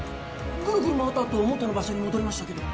ぐるぐる回ったあと元の場所に戻りましたけど。